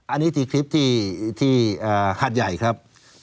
อันนี้ที่คลิปที่หาดใหญ่ครับ